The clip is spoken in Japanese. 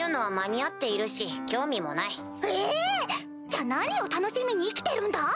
じゃあ何を楽しみに生きてるんだ？